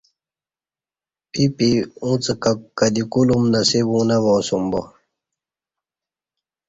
پی پی اڅ کہ دی کولوم نصیب اوں نہ وا اسوم با